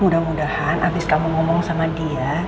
mudah mudahan abis kamu ngomong sama dia